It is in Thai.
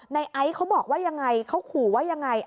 ไอซ์เขาบอกว่ายังไงเขาขู่ว่ายังไง